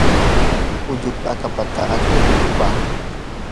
ulluku akapata akray murupa.